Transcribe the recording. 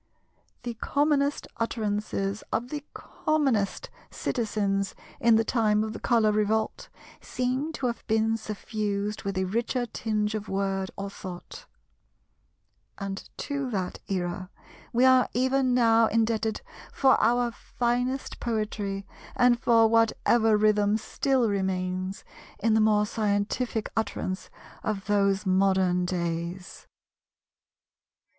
The commonest utterances of the commonest citizens in the time of the Colour Revolt seem to have been suffused with a richer tinge of word or thought; and to that era we are even now indebted for our finest poetry and for whatever rhythm still remains in the more scientific utterance of those modern days.